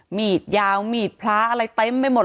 มีดยาวมีดพระอะไรเต็มไปหมด